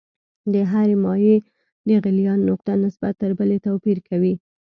د هرې مایع د غلیان نقطه نسبت تر بلې توپیر کوي.